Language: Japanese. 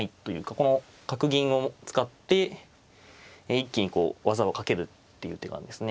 この角銀を使って一気にこう技をかけるっていう手がですね